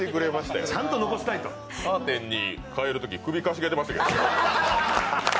カーテンに帰るとき、首かしげてましたから。